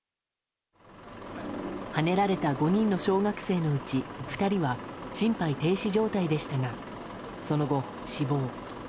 はねられた小学生５人のうち２人は心肺停止状態でしたがその後、死亡。